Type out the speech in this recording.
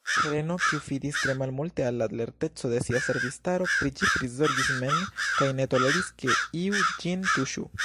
Heleno, kiu fidis tre malmulte al la lerteco de sia servistaro, pri ĝi prizorgis mem, kaj ne toleris, ke iu ĝin tuŝu.